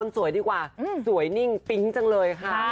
สวยดีกว่าสวยนิ่งปิ๊งจังเลยค่ะ